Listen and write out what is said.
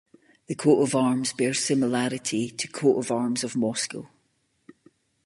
The coat of arms bears similarity to Coat of arms of Moscow.